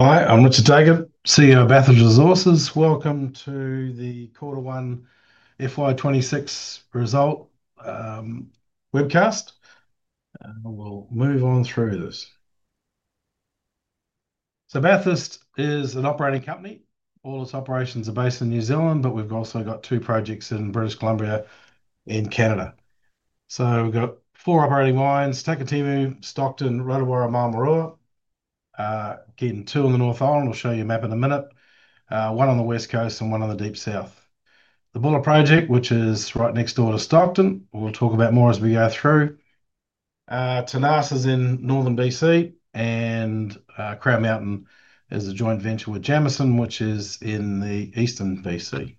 Hi, I'm Richard Tacon, CEO of Bathurst Resources. Welcome to the Quarter One FY2026 result webcast. We'll move on through this. Bathurst is an operating company. All its operations are based in New Zealand, but we've also got two projects in British Columbia and Canada. We've got four operating mines: Takitimu, Stockton, Rotowaro, and Maramarua. Again, two in the North Island. I'll show you a map in a minute. One on the West Coast and one on the Deep South. The Buller project, which is right next door to Stockton, we'll talk about more as we go through. Tenas is in northern B.C., and Crown Mountain is a joint venture with Jameson, which is in eastern B.C.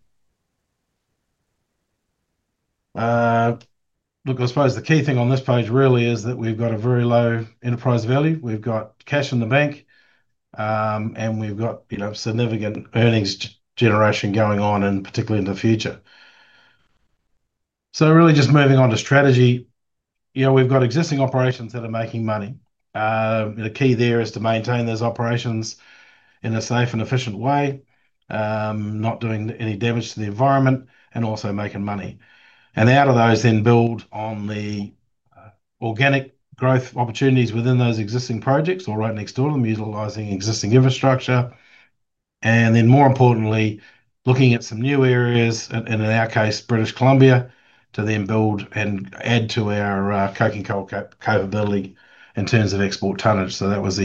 I suppose the key thing on this page really is that we've got a very low enterprise value. We've got cash in the bank. We've got significant earnings generation going on, and particularly in the future. Really just moving on to strategy. We've got existing operations that are making money. The key there is to maintain those operations in a safe and efficient way, not doing any damage to the environment, and also making money. Out of those, then build on the organic growth opportunities within those existing projects or right next door to them, utilizing existing infrastructure. More importantly, looking at some new areas, and in our case, British Columbia, to then build and add to our coking coal capability in terms of export tonnage. That was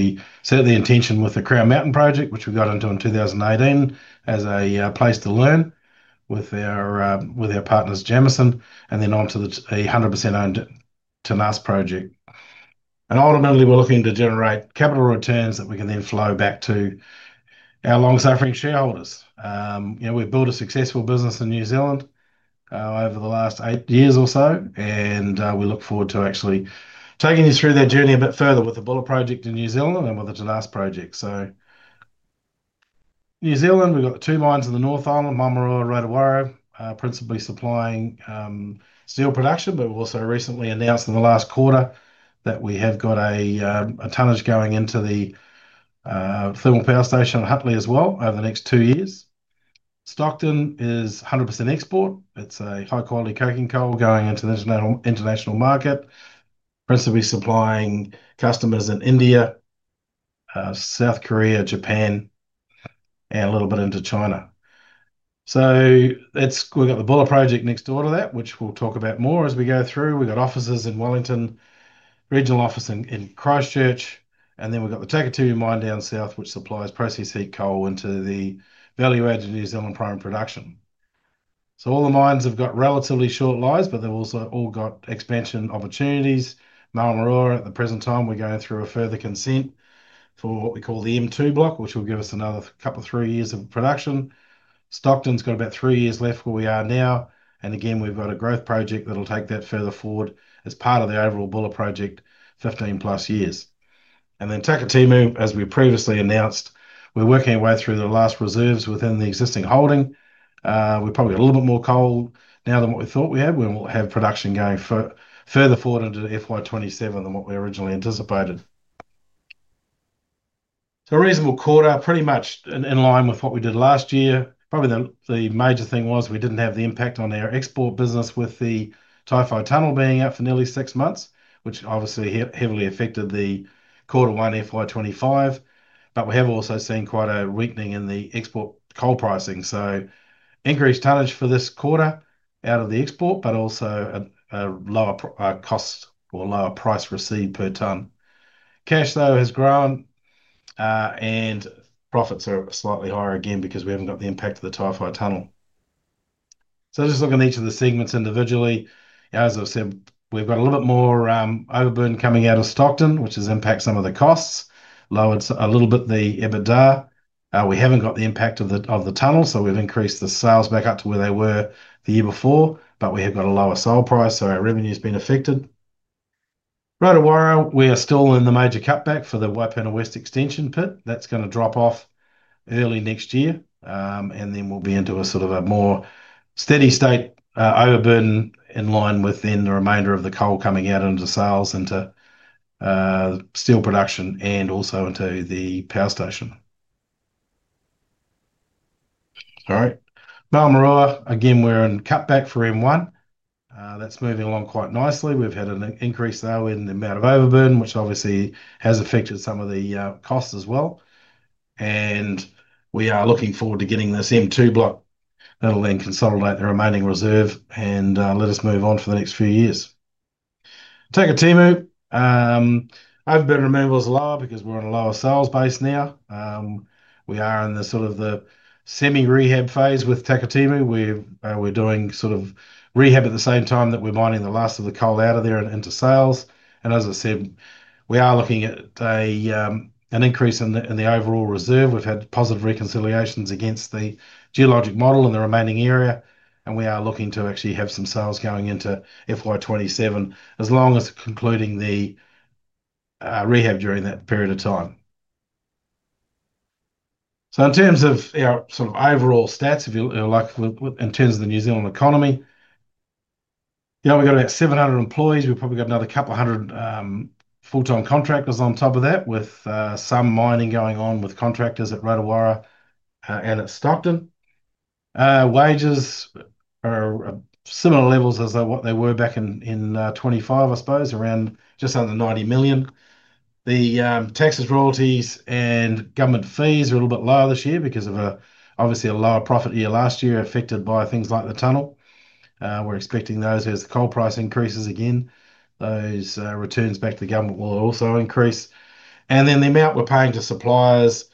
certainly the intention with the Crown Mountain project, which we got into in 2018 as a place to learn with our partners, Jameson, and then onto the 100% owned Tenas project. Ultimately, we're looking to generate capital returns that we can then flow back to our long-suffering shareholders. We've built a successful business in New Zealand over the last eight years or so, and we look forward to actually taking you through that journey a bit further with the Buller project in New Zealand and with the Tenas project. New Zealand, we've got two mines in the North Island, Maramarua, Rotowaro, principally supplying steel production, but we also recently announced in the last quarter that we have got a tonnage going into the thermal power station at Huntly as well over the next two years. Stockton is 100% export. It's a high-quality coking coal going into the international market, principally supplying customers in India, South Korea, Japan, and a little bit into China. We've got the Buller project next door to that, which we'll talk about more as we go through. We've got offices in Wellington, regional office in Christchurch, and then we've got the Takitimu mine down south, which supplies processed heat coal into the value-added New Zealand prime production. All the mines have got relatively short lives, but they've also all got expansion opportunities. Maramarua, at the present time, we're going through a further consent for what we call the M2 block, which will give us another couple or three years of production. Stockton's got about three years left where we are now. Again, we've got a growth project that'll take that further forward as part of the overall Buller project, 15+ years. Then Takitimu, as we previously announced, we're working our way through the last reserves within the existing holding. We're probably a little bit more coal now than what we thought we had. We will have production going further forward into FY2027 than what we originally anticipated. A reasonable quarter, pretty much in line with what we did last year. Probably the major thing was we didn't have the impact on our export business with the Taihape tunnel being up for nearly six months, which obviously heavily affected the quarter one FY2025. We have also seen quite a weakening in the export coal pricing. Increased tonnage for this quarter out of the export, but also a lower cost or lower price received per ton. Cash flow has grown. Profits are slightly higher again because we haven't got the impact of the Taihape tunnel. Just looking at each of the segments individually, as I've said, we've got a little bit more overburden coming out of Stockton, which has impacted some of the costs, lowered a little bit the EBITDA. We haven't got the impact of the tunnel, so we've increased the sales back up to where they were the year before, but we have got a lower sale price, so our revenue has been affected. Rotowaro, we are still in the major cutback for the Waipuna West extension pit. That's going to drop off early next year, and then we'll be into a sort of a more steady state overburden in line with then the remainder of the coal coming out into sales into steel production and also into the power station. All right. Maramarua, again, we're in cutback for M1. That's moving along quite nicely. We've had an increase there with the amount of overburden, which obviously has affected some of the costs as well. We are looking forward to getting this M2 block that'll then consolidate the remaining reserve and let us move on for the next few years. Takitimu. Overburden removal is lower because we're on a lower sales base now. We are in the sort of the semi-rehab phase with Takitimu. We're doing sort of rehab at the same time that we're mining the last of the coal out of there and into sales. As I said, we are looking at an increase in the overall reserve. We've had positive reconciliations against the geologic model in the remaining area, and we are looking to actually have some sales going into FY2027 as long as concluding the rehab during that period of time. In terms of our sort of overall stats, if you like, in terms of the New Zealand economy, we have about 700 employees. We have probably got another couple of hundred full-time contractors on top of that, with some mining going on with contractors at Rotowaro and at Stockton. Wages are similar levels as what they were back in 2025, I suppose, around just under 90 million. The taxes, royalties, and government fees are a little bit lower this year because of, obviously, a lower profit year last year affected by things like the tunnel. We are expecting those, as the coal price increases again, those returns back to the government will also increase. The amount we are paying to suppliers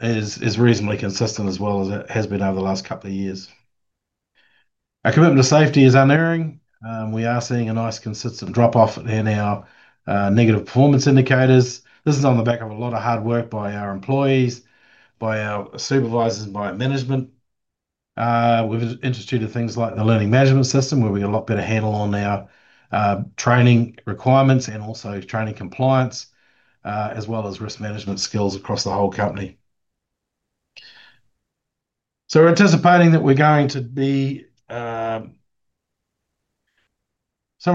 is reasonably consistent as well as it has been over the last couple of years. Our commitment to safety is unerring. We are seeing a nice consistent drop-off in our negative performance indicators. This is on the back of a lot of hard work by our employees, by our supervisors, and by management. We have instituted things like the learning management system, where we get a lot better handle on our training requirements and also training compliance, as well as risk management skills across the whole company. We are anticipating that we are going to be somewhere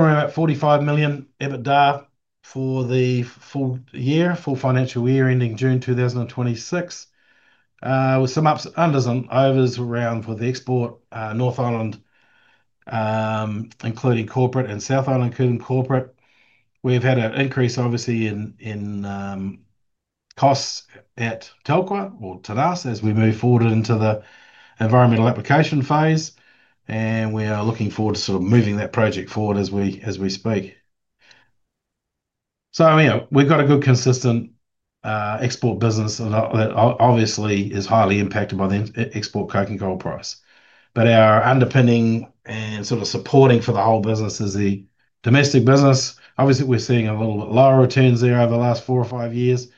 around 45 million EBITDA for the full year, full financial year ending June 2026, with some ups and downs around for the export, North Island, including corporate and South Island, including corporate. We have had an increase, obviously, in costs at Telkwa or Tenas as we move forward into the environmental application phase, and we are looking forward to moving that project forward as we speak. We have a good consistent export business that obviously is highly impacted by the export coking coal price, but our underpinning and sort of supporting for the whole business is the domestic business. Obviously, we are seeing a little bit lower returns there over the last four or five years,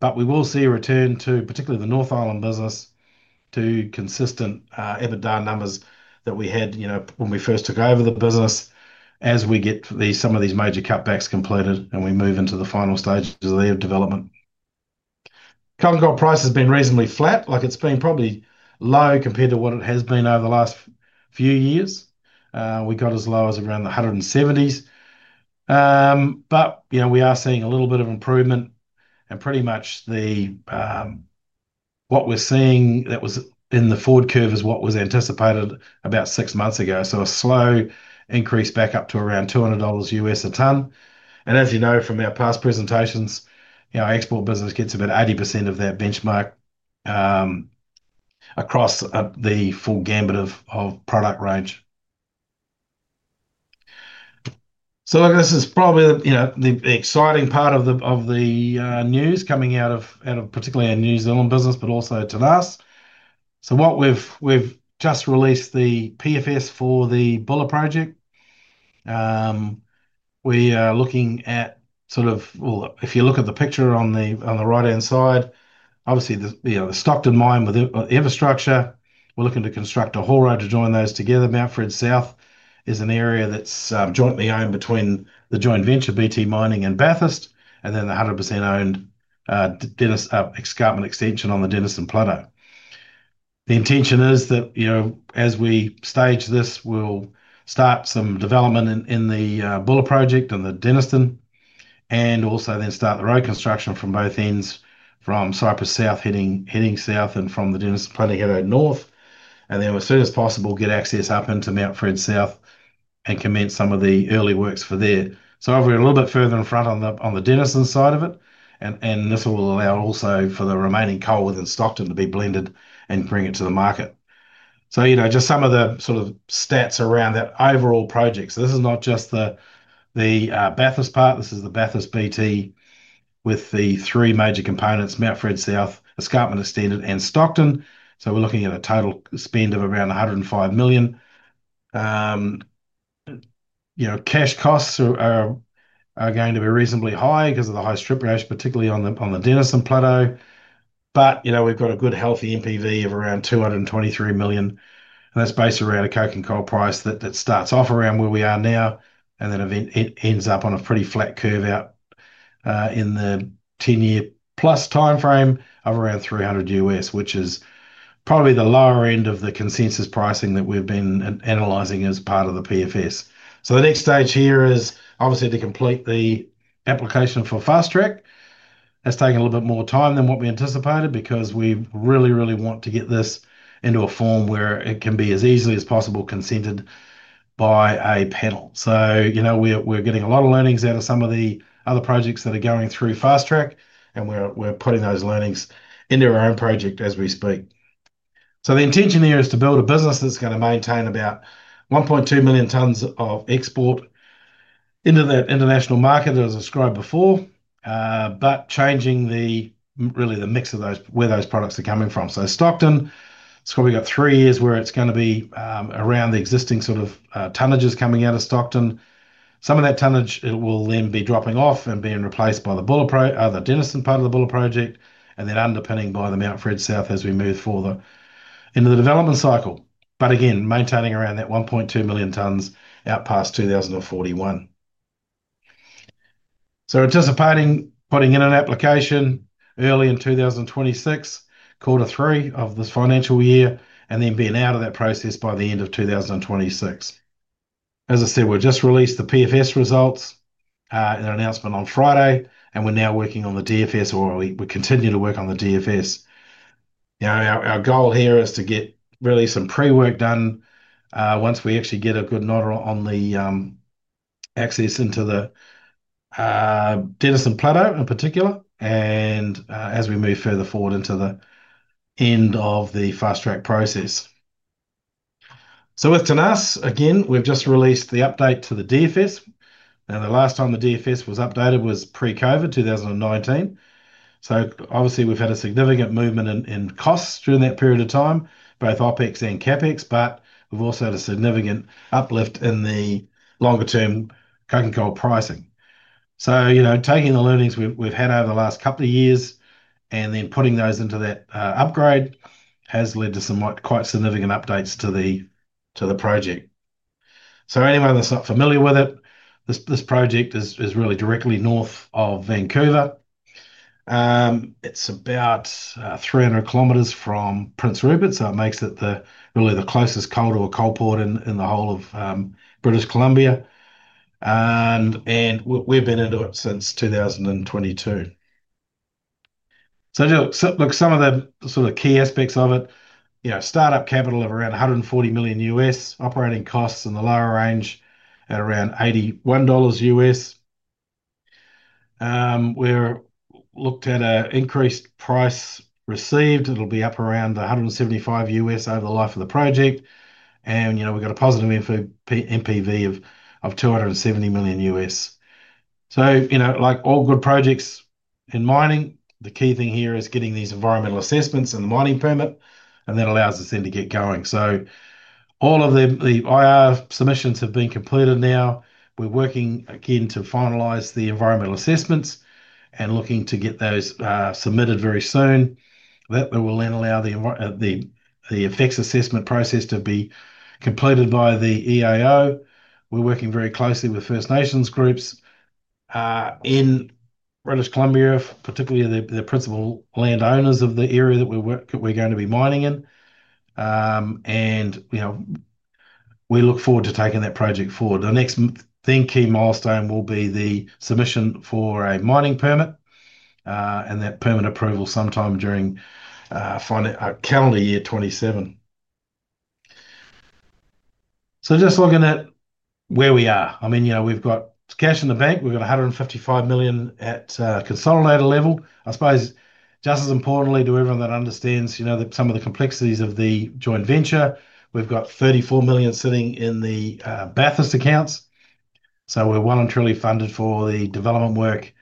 but we will see a return to particularly the North Island business to consistent EBITDA numbers that we had when we first took over the business as we get some of these major cutbacks completed and we move into the final stages of the development. Coking coal price has been reasonably flat, like it has been probably low compared to what it has been over the last few years. We got as low as around the $170s, but we are seeing a little bit of improvement. Pretty much what we are seeing that was in the forward curve is what was anticipated about six months ago, a slow increase back up to around $200 U.S. a ton. As you know from our past presentations, our export business gets about 80% of that benchmark across the full gambit of product range. This is probably the exciting part of the news coming out of particularly our New Zealand business, but also Tenas. What we've just released is the PFS for the Buller project. We are looking at, sort of, well, if you look at the picture on the right-hand side, obviously the Stockton mine with infrastructure, we're looking to construct a haul road to join those together. Mountford South is an area that's jointly owned between the joint venture BT Mining and Bathurst, and then the 100% owned Denniston Escarpment Extension on the Denniston Plateau. The intention is that as we stage this, we'll start some development in the Buller project and the Denniston, and also then start the road construction from both ends, from Cypress South heading south and from the Denniston Plateau heading north. As soon as possible, get access up into Mountford South and commence some of the early works for there. We're a little bit further in front on the Denniston side of it. This will also allow for the remaining coal within Stockton to be blended and bring it to the market. Just some of the sort of stats around that overall project. This is not just the Bathurst part. This is the Bathurst BT with the three major components: Mountford South, Escarpment Extended, and Stockton. We're looking at a total spend of around 105 million. Cash costs are going to be reasonably high because of the high strip ratio, particularly on the Denniston Plateau. We've got a good healthy NPV of around 223 million. That's based around a coking coal price that starts off around where we are now and then ends up on a pretty flat curve out in the 10+ year timeframe of around $300, which is probably the lower end of the consensus pricing that we've been analyzing as part of the PFS. The next stage here is to complete the application for Fast Track. It's taken a little bit more time than what we anticipated because we really, really want to get this into a form where it can be as easily as possible consented by a panel. We're getting a lot of learnings out of some of the other projects that are going through Fast Track, and we're putting those learnings into our own project as we speak. The intention here is to build a business that's going to maintain about 1.2 million tons of export into that international market, as described before, but changing really the mix of where those products are coming from. Stockton, it's probably got three years where it's going to be around the existing sort of tonnages coming out of Stockton. Some of that tonnage will then be dropping off and being replaced by the Denniston part of the Buller project, and then underpinned by the Mountford South as we move forward into the development cycle. Again, maintaining around that 1.2 million tons out past 2041. Anticipating putting in an application early in 2026, quarter three of this financial year, and then being out of that process by the end of 2026. As I said, we've just released the PFS results in an announcement on Friday, and we're now working on the DFS, or we continue to work on the DFS. Our goal here is to get really some pre-work done once we actually get a good nod on the access into the Denniston Plateau in particular, and as we move further forward into the end of the Fast Track process. With Tenas, again, we've just released the update to the DFS. The last time the DFS was updated was pre-COVID, 2019. Obviously, we've had a significant movement in costs during that period of time, both OpEx and CapEx, but we've also had a significant uplift in the longer-term coke and coal pricing. Taking the learnings we've had over the last couple of years and then putting those into that upgrade has led to some quite significant updates to the project. Anyone that's not familiar with it, this project is really directly north of Vancouver. It's about 300 km from Prince Rupert, so it makes it really the closest coal to a coal port in the whole of British Columbia. We've been into it since 2022. Some of the sort of key aspects of it: startup capital of around $140 million, operating costs in the lower range at around $81. We've looked at an increased price received. It'll be up around $175 over the life of the project. We've got a positive NPV of $270 million. Like all good projects in mining, the key thing here is getting these environmental assessments and the mining permit, and that allows us then to get going. All of the IR submissions have been completed now. We're working again to finalize the environmental assessments and looking to get those submitted very soon. That will then allow the effects assessment process to be completed by the EAO. We're working very closely with First Nations groups in British Columbia, particularly the principal landowners of the area that we're going to be mining in. We look forward to taking that project forward. The next big key milestone will be the submission for a mining permit, and that permit approval sometime during calendar year 2027. Just looking at where we are, I mean, we've got cash in the bank. We've got $155 million at consolidated level. I suppose, just as importantly, to everyone that understands some of the complexities of the joint venture, we've got $34 million sitting in the Bathurst accounts. We're well and truly funded for the development work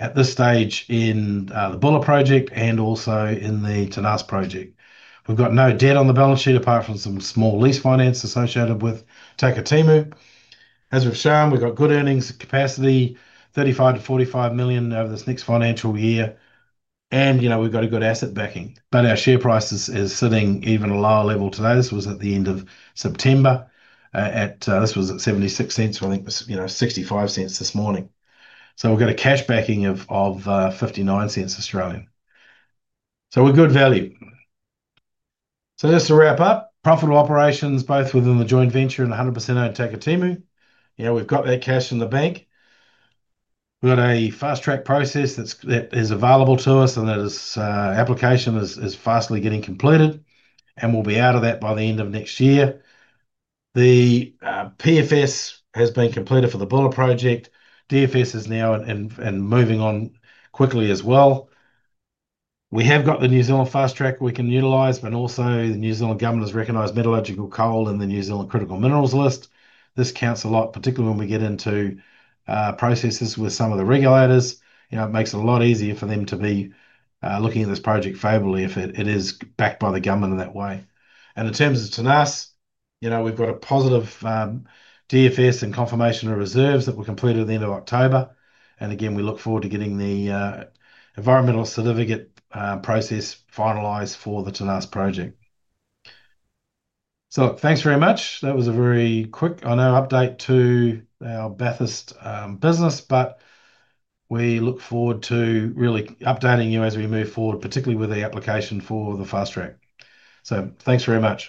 at this stage in the Buller project and also in the Tenas project. We've got no debt on the balance sheet apart from some small lease finance associated with Takitimu. As we've shown, we've got good earnings capacity, 35-45 million over this next financial year. We've got a good asset backing, but our share price is sitting even lower level today. This was at the end of September. This was at AUD 0.76, so I think it was 0.65 this morning. We've got a cash backing of 0.59. We're good value. Just to wrap up, profitable operations both within the joint venture and 100% owned Takitimu. We've got that cash in the bank. We've got a Fast Track process that is available to us, and that application is fastly getting completed. We'll be out of that by the end of next year. The Pre-Feasibility Study has been completed for the Buller project. DFS is now moving on quickly as well. We have got the New Zealand Fast Track we can utilize, but also the New Zealand government has recognized metallurgical coal in the New Zealand Critical Minerals List. This counts a lot, particularly when we get into processes with some of the regulators. It makes it a lot easier for them to be looking at this project favorably if it is backed by the government in that way. In terms of Tenas, we've got a positive DFS and confirmation of reserves that were completed at the end of October. Again, we look forward to getting the environmental certificate process finalized for the Tenas project. Thanks very much. That was a very quick, I know, update to our Bathurst business, but we look forward to really updating you as we move forward, particularly with the application for the Fast Track. Thanks very much.